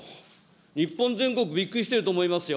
日本全国びっくりしてると思いますよ。